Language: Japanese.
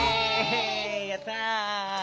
やった！